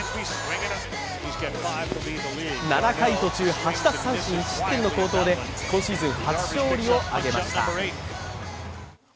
７回途中８奪三振１失点の好投で今シーズン初勝利を挙げました。